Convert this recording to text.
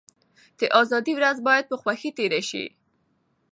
د ازادۍ ورځ بايد په خوښۍ تېره شي.